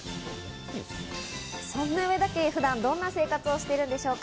そんな上田家、普段どんな生活をしているんでしょうか。